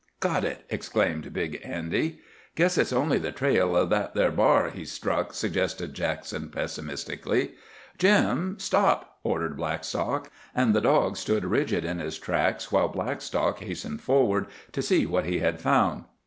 "Got it!" exclaimed Big Andy. "Guess it's only the trail o' that there b'ar he's struck," suggested Jackson pessimistically. "Jim, stop!" ordered Blackstock. And the dog stood rigid in his tracks while Blackstock hastened forward to see what he had found.